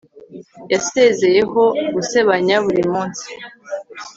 yasezeyeho gusebanya burimunsi